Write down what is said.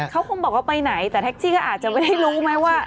เขาคงบอกว่าไปไหนแต่แท็กซี่ก็อาจจะไม่ได้รู้ไหมว่า